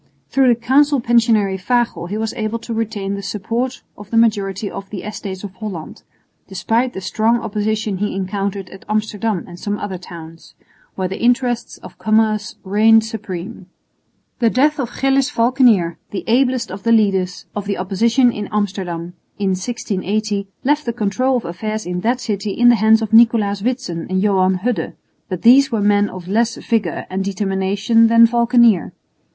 Through the Council Pensionary Fagel he was able to retain the support of the majority in the Estates of Holland, despite the strong opposition he encountered at Amsterdam and some other towns, where the interests of commerce reigned supreme. The death of Gillis Valckenier, the ablest of the leaders of the opposition in Amsterdam, in 1680 left the control of affairs in that city in the hands of Nicolaes Witsen and Johan Hudde, but these were men of less vigour and determination than Valckenier.